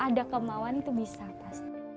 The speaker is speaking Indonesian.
pagi yang cerah di selatan pantai jawa barat